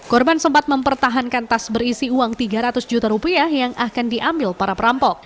korban sempat mempertahankan tas berisi uang tiga ratus juta rupiah yang akan diambil para perampok